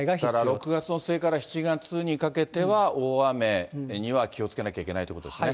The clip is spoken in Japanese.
６月の末から７月にかけては、大雨には気をつけなきゃいけないということですね。